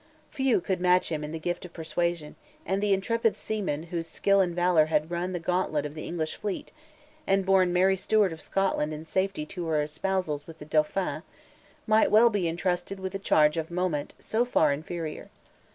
Few could match him in the gift of persuasion; and the intrepid seamen whose skill and valor had run the gantlet of the English fleet, and borne Mary Stuart of Scotland in safety to her espousals with the Dauphin, might well be intrusted with a charge of moment so far inferior.